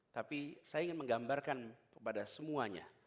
tapi saya ingin menggambarkan kepada semuanya